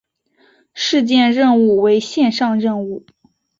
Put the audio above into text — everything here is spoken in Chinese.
事件任务为线上任务。